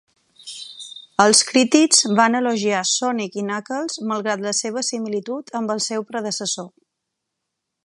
Els crítics van elogiar "Sonic i Knuckles", malgrat la seva similitud amb el seu predecessor.